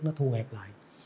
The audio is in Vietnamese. nó thu hẹp lại